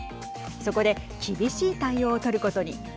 そこで厳しい対応を取ることに。